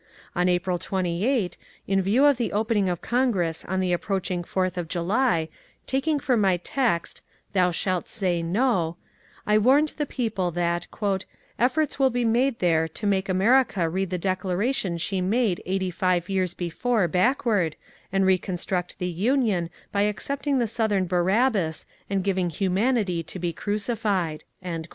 On April 28, in view of the opening of Congress on the approaching Fourth of July, taking for my text, " Thou shalt say No," I warned the people that '^ Efforts will be made there to make America read the Declaration she made eighty five years before back 328 MONCURE DANIEL CONWAY ward, and reconstruct the Union by accepting the Southern Barabbas and giving humanity to be crucified."